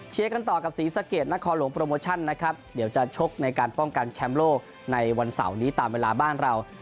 กันต่อกับศรีสะเกดนครหลวงโปรโมชั่นนะครับเดี๋ยวจะชกในการป้องกันแชมป์โลกในวันเสาร์นี้ตามเวลาบ้านเรา